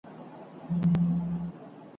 چي یوه ورځ په حادثه کي مرمه ,